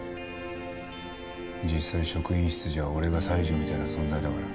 実際職員室じゃ俺が西条みたいな存在だから。